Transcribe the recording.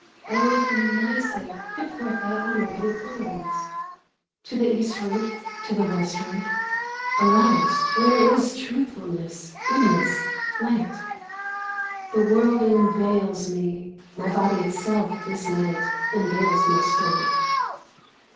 " Oh^for my sake, put forth thy honourable horns /" To the Eastward, to the Westward ? Alas, where is Truth fulness ?— Goodness ?— Light ? The world enveils me ; my body itself this night enveils my soul.